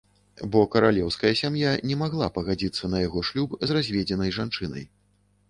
Бо каралеўская сям'я не магла пагадзіцца на яго шлюб з разведзенай жанчынай.